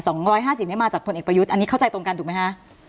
สองร้อยห้าสิบเนี้ยมาจากพลเอกประยุทธ์อันนี้เข้าใจตรงกันถูกไหมคะ